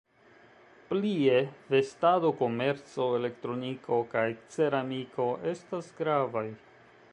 Plie, vestado-komerco, elektroniko kaj ceramiko estas gravaj.